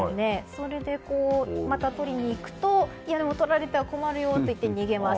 それで、またとりにくととられては困るよといって逃げます。